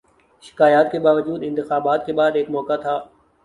شکایات کے باوجود، انتخابات کے بعد ایک موقع تھا۔